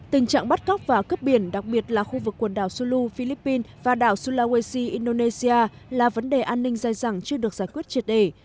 tình trạng bắt cóc và cướp biển đặc biệt là khu vực quần đảo sulu philippines và đảo sulawesi indonesia là vấn đề an ninh dai dẳng chưa được giải quyết triệt đề